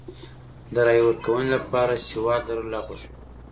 د رایې ورکونې لپاره سواد لرل لغوه شول.